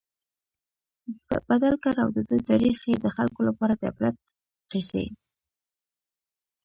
بدل کړ، او د دوی تاريخ ئي د خلکو لپاره د عبرت قيصي